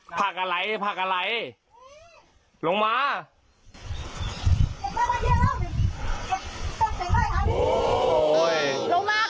ไม่เป็นไรนะโคตรเลยบากเก็บผัก